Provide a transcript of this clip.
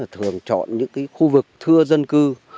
thường chọn những cái khu vực thưa dân cư